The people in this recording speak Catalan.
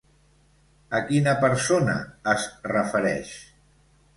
A quina persona es refereix?